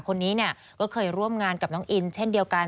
คนนี้เนี่ยก็เคยร่วมงานกับน้องอินเช่นเดียวกัน